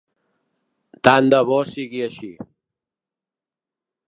Tant de bo sigui així.